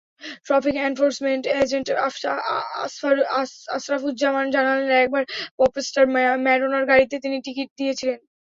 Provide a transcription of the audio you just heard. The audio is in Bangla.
ট্রাফিক এনফোর্সমেন্ট এজেন্ট আশরাফুজ্জামান জানালেন, একবার পপস্টার ম্যাডোনার গাড়িতে তিনি টিকিট দিয়েছিলেন।